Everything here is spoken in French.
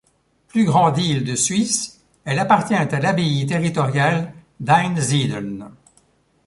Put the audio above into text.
Plus grande île de Suisse, elle appartient à l'abbaye territoriale d'Einsiedeln.